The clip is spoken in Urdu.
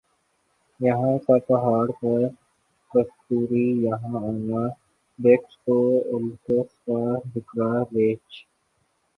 یَہاں کا پہاڑ پر کستوری ہرن آنا بیکس کوہ ایلپس کا بکرا ریچھ